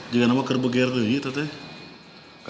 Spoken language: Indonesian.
jangan nama gerbe gerbe gitu ya